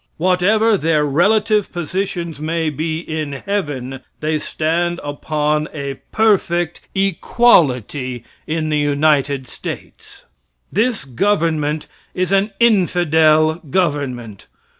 Whatever their relative positions may be in heaven, they stand upon a perfect equality in the United States. This government is an infidel government.